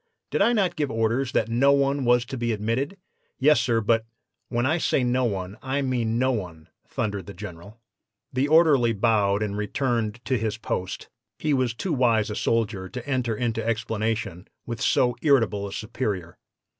"'Did I not give orders that no one was to be admitted?' "'Yes, sir; but ' "'When I say no one, I mean no one,' thundered the General. "The orderly bowed and returned to his post. He was too wise a soldier to enter into explanation with so irritable a superior.